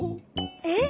えっ？